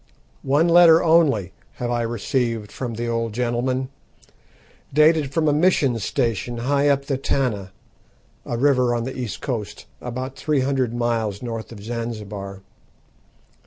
One letter only have I received from the old gentleman, dated from a mission station high up the Tana, a river on the east coast, about three hundred miles north of Zanzibar.